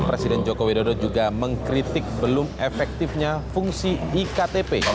presiden jokowi dodo juga mengkritik belum efektifnya fungsi iktp